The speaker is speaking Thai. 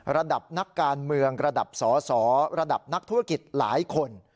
ระดับนักการเมืองระดับสอสอระดับนักธุรกิจหลายคน